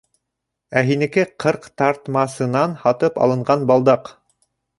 Ә һинеке ҡырҡтартмасынан һатып алынған балдаҡ.